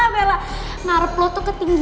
bella ngarep lo tuh ketiga